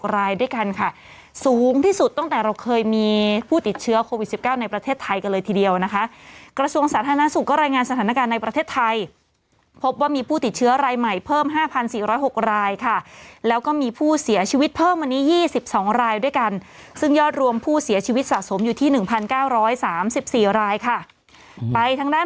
รายด้วยกันค่ะสูงที่สุดตั้งแต่เราเคยมีผู้ติดเชื้อโควิด๑๙ในประเทศไทยกันเลยทีเดียวนะคะกระทรวงสาธารณสุขก็รายงานสถานการณ์ในประเทศไทยพบว่ามีผู้ติดเชื้อรายใหม่เพิ่ม๕๔๐๖รายค่ะแล้วก็มีผู้เสียชีวิตเพิ่มวันนี้๒๒รายด้วยกันซึ่งยอดรวมผู้เสียชีวิตสะสมอยู่ที่๑๙๓๔รายค่ะไปทางด้าน